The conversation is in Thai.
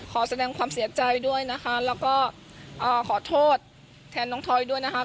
ขอแสดงความเสียใจด้วยนะคะแล้วก็ขอโทษแทนน้องทอยด้วยนะครับ